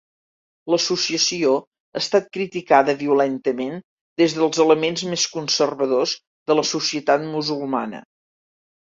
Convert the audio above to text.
L'associació ha estat criticada violentament des dels elements més conservadors de la societat musulmana.